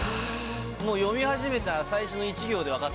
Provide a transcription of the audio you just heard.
もう読み始めた最初の１行で分かったね。